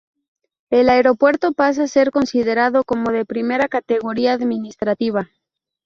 El aeropuerto pasa a ser considerado como de primera categoría administrativa.